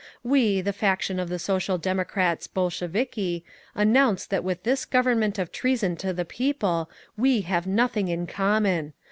"We, the faction of Social Democrats Bolsheviki, announce that with this Government of Treason to the People we have nothing in common.